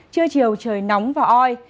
chưa chiều trời nóng và oi